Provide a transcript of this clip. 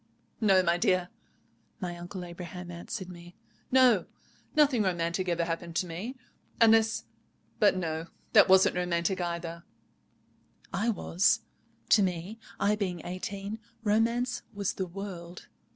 "No, my dear," my Uncle Abraham answered me, "no—nothing romantic ever happened to me—unless—but no: that wasn't romantic either——" I was. To me, I being eighteen, romance was the world.